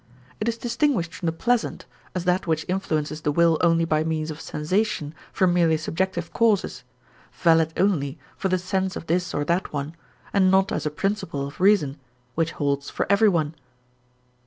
It is distinguished from the pleasant, as that which influences the will only by means of sensation from merely subjective causes, valid only for the sense of this or that one, and not as a principle of reason, which holds for every one.